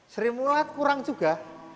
sri mulat kurang juga